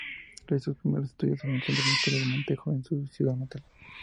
Realizó sus primeros estudios en el Centro Universitario Montejo, en su ciudad natal.